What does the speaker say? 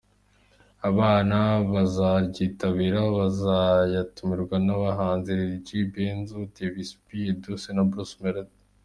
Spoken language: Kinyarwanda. Abana bazaryitabira bazataramirwa n’abahanzi Lil G, Benzo, Davys B, Edouce na Bruce Melody.